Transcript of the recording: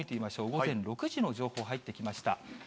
午前６時の情報、入ってきました。